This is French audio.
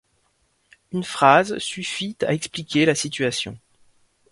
Une phrase suffit à expliquer la situation.